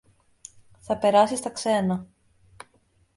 θα περάσει στα ξένα